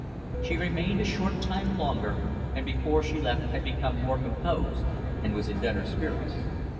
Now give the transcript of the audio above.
She remained a short time longer, and before she left had become more composed and was in better spirits.